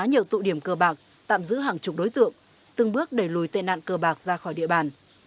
nhiều tụ điểm cờ bạc tạm giữ hàng chục đối tượng từng bước đẩy lùi tệ nạn cơ bạc ra khỏi địa bàn